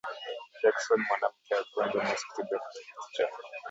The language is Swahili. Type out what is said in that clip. Jackson, mwanamke wa kwanza mweusi kuteuliwa katika kiti cha